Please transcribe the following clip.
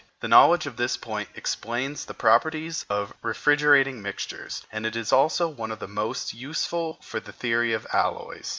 The knowledge of this point explains the properties of refrigerating mixtures, and it is also one of the most useful for the theory of alloys.